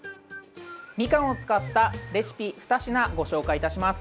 みかんを使ったレシピ２品ご紹介いたします。